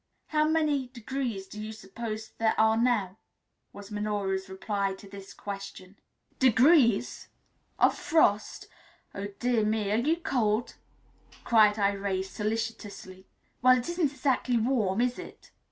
"How many degrees do you suppose there are now?" was Minora's reply to this question. "Degrees? Of frost? Oh, dear me, are you cold," cried Irais solicitously. "Well, it isn't exactly warm, is it?"